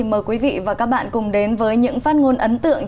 mời quý vị và các bạn cùng đến với những phát ngôn ấn tượng